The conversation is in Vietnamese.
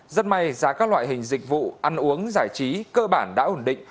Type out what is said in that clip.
rất may giá các loại hình dịch vụ ăn uống giải trí cơ bản đã ổn định